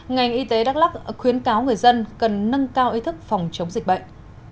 ngành y tế đắk lắc khuyến cáo người dân cần nâng cao ý thức phòng chống dịch bệnh